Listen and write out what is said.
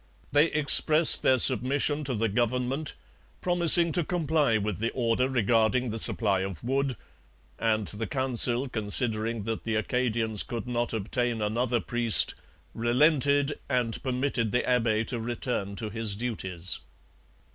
They expressed their submission to the government, promising to comply with the order regarding the supply of wood; and the Council, considering that the Acadians could not obtain another priest, relented and permitted the abbe to return to his duties.